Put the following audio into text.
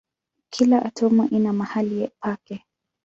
Kila atomu ina mahali pake.